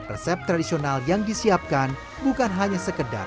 resep tradisional yang disiapkan bukan hanya sekedar